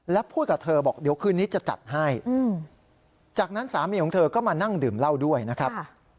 และพูดกับเธอบอกเดี๋ยวคืนนี้จะจัดให้จากนั้นสามีของเธอก็มานั่งดื่มเหล้าด้วยนะครับ